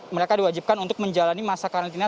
mereka diwajibkan untuk menjalani masa karantina